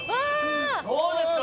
どうですか？